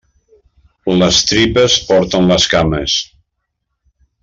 Les tripes porten les cames.